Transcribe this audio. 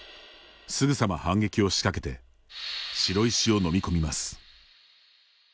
すぐさま反撃をしかけて白石を飲み込みます。